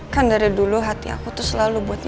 kan dari dulu hati aku tuh selalu buat